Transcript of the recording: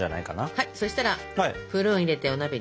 はいそしたらプルーン入れてお鍋に。